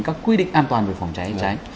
các quy định an toàn về phòng cháy